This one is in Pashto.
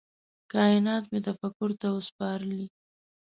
کائینات مي تفکر ته وه سپارلي